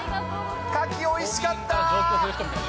カキ、おいしかった。